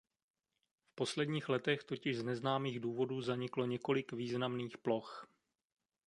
V posledních letech totiž z neznámých důvodů zaniklo několik významných ploch.